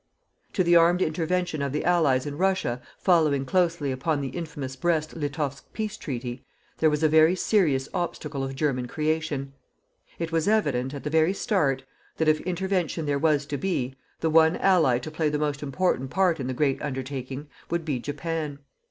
To the armed intervention of the Allies in Russia, following closely upon the infamous Brest Litovsk peace treaty, there was a very serious obstacle of German creation. It was evident, at the very start, that if intervention there was to be, the one Ally to play the most important part in the great undertaking would be Japan.